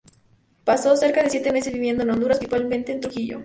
Pasó cerca de siete meses viviendo en Honduras, principalmente en Trujillo.